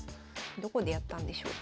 どこでやったんでしょうか。